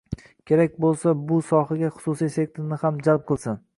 Kerak boʻlsa bu sohaga xususiy sektorni ham jalb qilsin